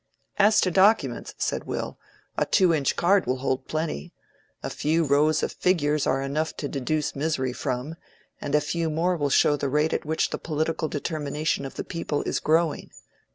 "As to documents," said Will, "a two inch card will hold plenty. A few rows of figures are enough to deduce misery from, and a few more will show the rate at which the political determination of the people is growing."